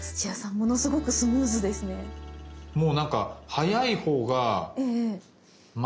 ものすごくスムーズですね。